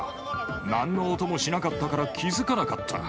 なんの音もしなかったから気付かなかった。